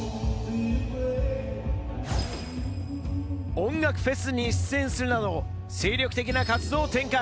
音楽フェスに出演するなど、精力的な活動を展開。